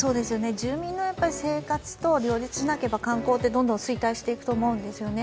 住民の生活と両立しなければ観光ってどんどん衰退すると思うってすよね。